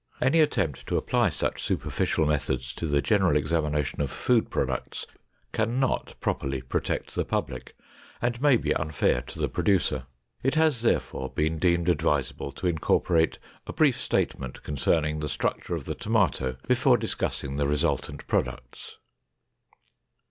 Any attempt to apply such superficial methods to the general examination of food products can not properly protect the public and may be unfair to the producer. It has, therefore, been deemed advisable to incorporate a brief statement concerning the structure of the tomato before discussing the resultant products.